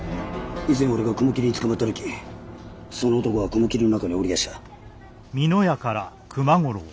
以前俺が雲霧に捕まった時その男が雲霧の中におりやした。